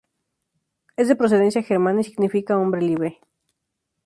Es de procedencia germana y significa ‘hombre libre’.